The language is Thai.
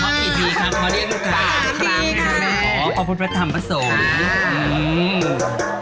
เขาคิดดีครับเพราะดินปลาพรรมของพุทธธรรมประสงค์อ่าอือโอ้ย